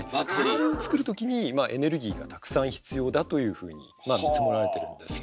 あれを作る時にまあエネルギーがたくさん必要だというふうに見積もられてるんですよ。